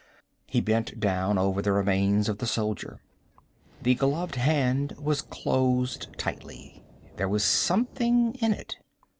He bent down over the remains of the soldier. The gloved hand was closed tightly. There was something in it.